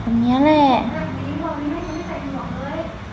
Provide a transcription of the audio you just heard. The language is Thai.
จอดเดี๋ยวไปไฟง้อของสงสัมภัย